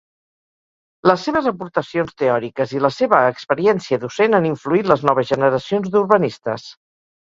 Les seves aportacions teòriques i la seva experiència docent han influït les noves generacions d'urbanistes.